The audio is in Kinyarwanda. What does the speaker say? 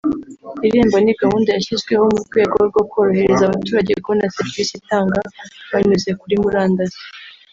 Irembo ni gahunda yashyizweho mu rwego rwo korohereza abaturage kubona serivisi itanga banyuze kuri murandasi